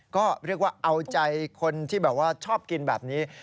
ก็เรียกว่าเอาใจคนที่แบบว่าชอบกินแบบนี้